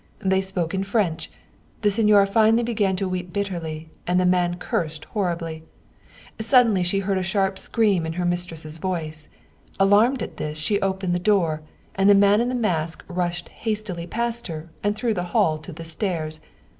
They spoke in French. The signora finally began to weep bitterly, and the man cursed horribly. Sud denly she heard a sharp scream in her mistress's voice. Alarmed at this, she opened the door, and the man in the mask rushed hastily past her and through the hall to the stairs.